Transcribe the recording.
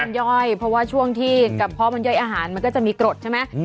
มันย่อยเพราะว่าช่วงที่กระเพาะมันย่อยอาหารมันก็จะมีกรดใช่ไหม